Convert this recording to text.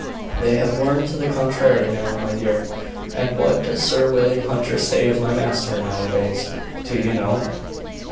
"They have learned to the contrary now, my dear. And what does Sir William Hunter say of my master, now a days? Do you know?"